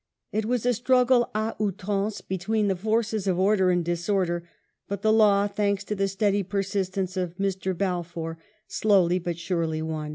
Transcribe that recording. It was a struggle d outrance between the forces of order and disorder, but the law, thanks to the steady persistence of Mr. Balfour, slowly but surely won.